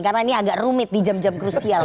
karena ini agak rumit di jam jam krusial